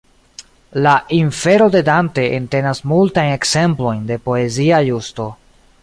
La "Infero" de Dante entenas multajn ekzemplojn de poezia justo.